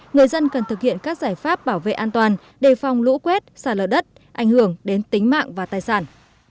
người dân cần thực hiện các giải pháp bảo vệ an toàn đề phòng lũ quét xả lở đất ảnh hưởng đến tính mạng và tài sản